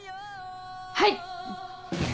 はい！